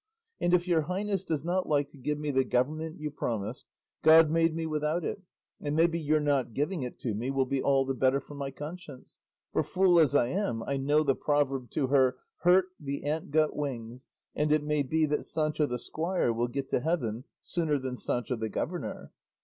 And if your highness does not like to give me the government you promised, God made me without it, and maybe your not giving it to me will be all the better for my conscience, for fool as I am I know the proverb 'to her hurt the ant got wings,' and it may be that Sancho the squire will get to heaven sooner than Sancho the governor.